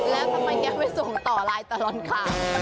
แล้วทำไมแกไม่ส่งต่อรายตลอดค่ะ